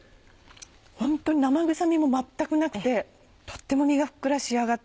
ホントに生臭みも全くなくてとっても身がふっくら仕上がって。